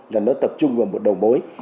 là nó tập trung vào một đầu mối